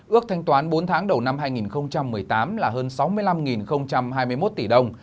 ước thanh toán bốn tháng đầu năm hai nghìn một mươi tám là hơn sáu mươi năm hai mươi một tỷ đồng